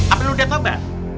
apa lu udah coba